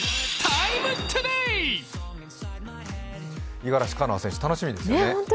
五十嵐カノア選手、楽しみですよね。